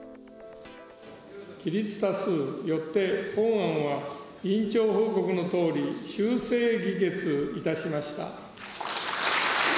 起立多数、よって本案は委員長報告のとおり、修正議決いたしました。